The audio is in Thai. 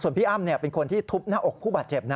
พี่อ้ำเป็นคนที่ทุบหน้าอกผู้บาดเจ็บ